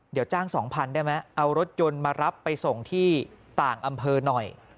เดี๋ยวจ้าง๒๐๐๐ได้ไหมเอารถยนต์มารับไปส่งที่ต่างอำเภอหน่อย